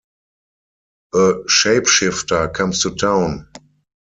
A shapeshifter comes to town.